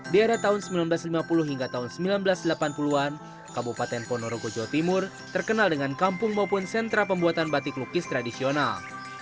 di era tahun seribu sembilan ratus lima puluh hingga tahun seribu sembilan ratus delapan puluh an kabupaten ponorogo jawa timur terkenal dengan kampung maupun sentra pembuatan batik lukis tradisional